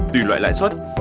tùy loại lãi suất